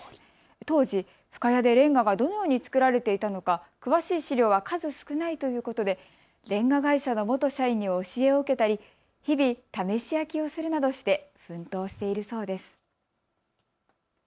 当時、深谷でレンガがどのように作られていたのか詳しい資料は数少ないということでレンガ会社の元社員に教えを受けたり、日々、試し焼きをするなどして奮闘しているそうです。